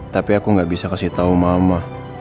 tapi aku gak bisa kasih tahu mama